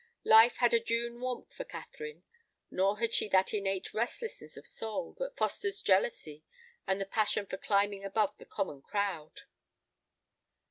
Life had a June warmth for Catherine. Nor had she that innate restlessness of soul that fosters jealousy and the passion for climbing above the common crowd.